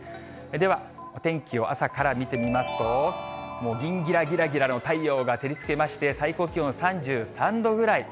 では天気を朝から見てみますと、もうぎんぎらぎらぎらの太陽が照りつけまして、最高気温３３度ぐらい。